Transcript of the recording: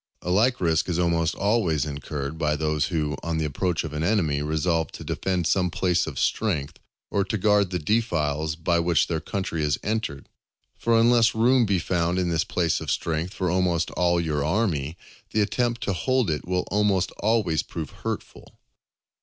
A like risk is almost always incurred by those who, on the approach of an enemy, resolve to defend some place of strength, or to guard the defiles by which their country is entered. For unless room be found in this place of strength for almost all your army, the attempt to hold it will almost always prove hurtful.